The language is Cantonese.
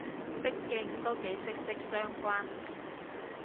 畢竟都幾息息相關